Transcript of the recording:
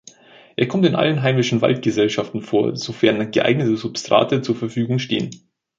Er kommt in allen heimischen Waldgesellschaften vor, sofern geeignete Substrate zur Verfügung stehen.